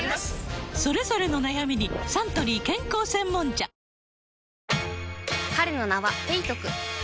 それぞれの悩みにサントリー健康専門茶彼の名はペイトク